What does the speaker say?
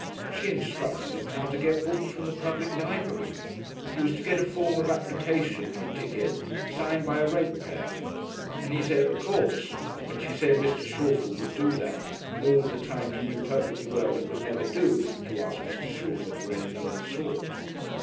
She instructed him how to get books from the public library. He was to get a form of application for a ticket signed by a ratepayer; and he said "of course," when she said Mr. Shalford would do that, though all the time he knew perfectly well it would "never do" to ask Mr. Shalford for anything of the sort.